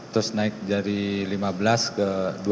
terus naik dari lima belas ke dua belas